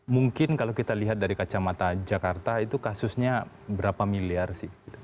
mungkin kalau kita lihat dari kacamata jakarta itu kasusnya berapa miliar sih